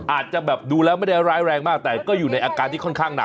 อาจจะแบบดูแล้วไม่ได้ร้ายแรงมากแต่ก็อยู่ในอาการที่ค่อนข้างหนัก